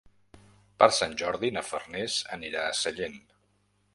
Per Sant Jordi na Farners anirà a Sellent.